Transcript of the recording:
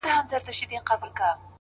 زحمت د موخو د پخېدو لمر دی؛